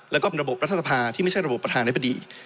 และก็เป็นระบบรัฐสภาที่ไม่ใช่ระบบประธานิปดี